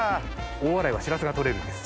大洗はしらすが取れるんです。